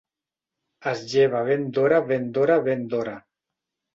Es lleva ben d'hora ben d'hora ben d'hora.